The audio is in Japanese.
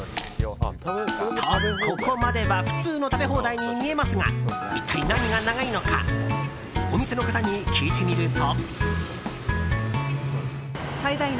と、ここまでは普通の食べ放題に見えますが一体、何が長いのかお店の方に聞いてみると。